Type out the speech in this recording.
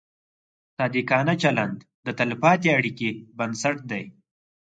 صادقانه چلند د تلپاتې اړیکې بنسټ دی.